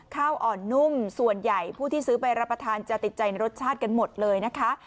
ข้าวอ่อนนุ่มส่วนใหญ่ผู้ที่ซื้อไปรับประทานจะติดใจรสชาติกันหมดเลยนะคะ